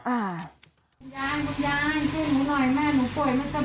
คุณยายคุณยายเทนหนูหน่อยแม่หนูป่วยไม่สบาย